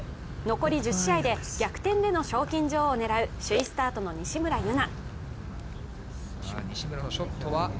残り１０試合で逆転での賞金女王を狙う首位スタートの西村優菜。